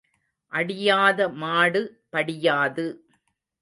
அடியாத மாடு படியாது.